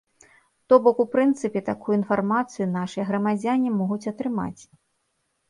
То бок, у прынцыпе такую інфармацыю нашыя грамадзяне могуць атрымаць.